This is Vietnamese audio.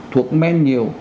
thuộc men nhiều